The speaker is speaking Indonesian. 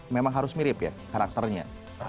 memang harus mirip ya karakternya